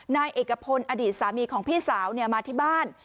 นายเอกพลอดีตสามีของพี่สาวมาที่บ้าน